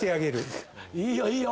いいよいいよ！